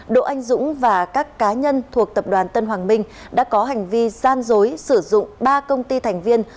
đỗ anh dũng và các cá nhân thuộc tập đoàn tân hoàng minh đã có hành vi gian dối sử dụng ba công ty thành viên